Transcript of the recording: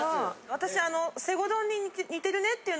私。